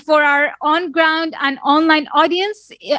untuk penonton online dan di luar negara